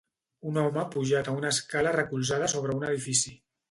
Un home pujat a una escala recolzada sobre un edifici.